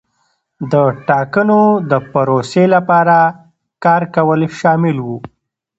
د ټاکنو د پروسې لپاره کار کول شامل وو.